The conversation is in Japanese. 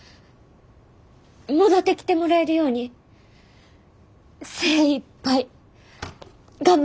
戻ってきてもらえるように精いっぱい頑張ります。